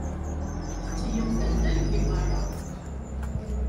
Ttgemt addal deg beṛṛa.